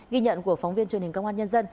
ghi nhận của phóng viên truyền hình công an nhân dân